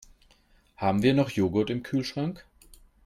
Haben wir noch Joghurt im Kühlschrank?